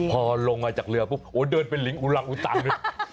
พอลงมาจากเรือปุ๊บโอ้เดินเป็นลิงอุรังอุตังเลย